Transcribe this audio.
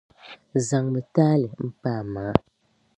Zaŋmi taali m-pa a maŋa.